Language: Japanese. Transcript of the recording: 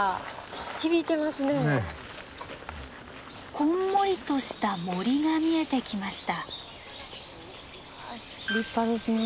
こんもりとした森が見えてきました。